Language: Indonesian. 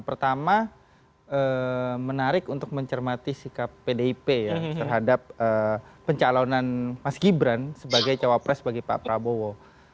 pertama menarik untuk mencermati sikap pdip ya terhadap pencalonan mas gibran sebagai cawapres bagi pak prabowo